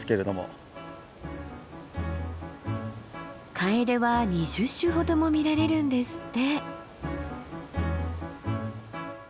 カエデは２０種ほども見られるんですって。